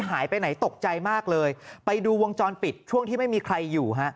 หายไปไหนตกใจมากเลยไปดูวงจรปิดช่วงที่ไม่มีใครอยู่ฮะ